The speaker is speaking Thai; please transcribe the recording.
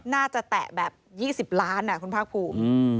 แตะแบบ๒๐ล้านคุณภาคภูมิ